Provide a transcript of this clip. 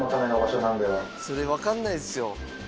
それ分かんないですよ。